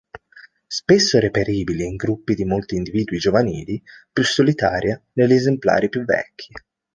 Spesso reperibile in gruppi di molti individui giovanili, più solitaria negli esemplari più vecchi.